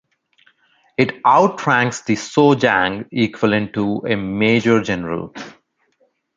It outranks the "sojang", equivalent to a major general.